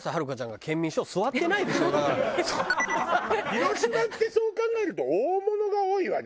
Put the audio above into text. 広島ってそう考えると大物が多いわね。